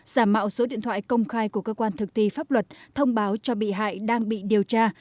giả mạo số điện thoại công khai của cơ quan thực tỷ pháp luật thông báo cho bị hại đang bị điều tra